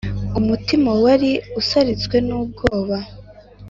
umutima wari usaritswe n’ubwoba.